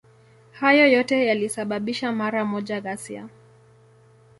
Hayo yote yalisababisha mara moja ghasia.